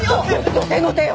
女性の手よ。